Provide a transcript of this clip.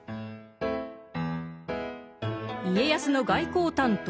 家康の外交担当